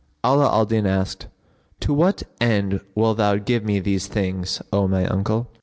Ala al Din asked, "To what end wilt thou give me these things, O my uncle?"